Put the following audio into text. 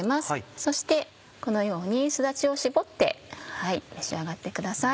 そしてこのようにすだちを搾って召し上がってください。